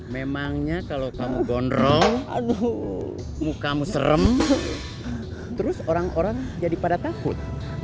memangnya kalau kamu gondrong aduh mukamu serem terus orang orang jadi pada takut